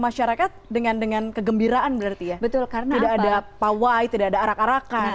masyarakat dengan dengan kegembiraan berarti ya betul karena tidak ada pawai tidak ada arak arakan